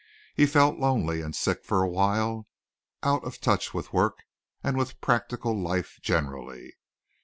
He felt lonely and sick for awhile, out of touch with work and with practical life generally.